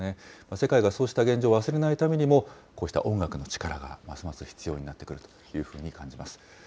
世界がそうした現状を忘れないためにも、こうした音楽の力がますます必要になってくるというふうに感じます。